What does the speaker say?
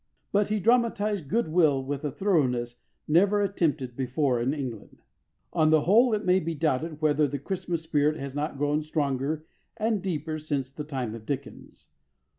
But he dramatised goodwill with a thoroughness never attempted before in England. On the whole, it may be doubted whether the Christmas spirit has not grown stronger and deeper since the time of Dickens.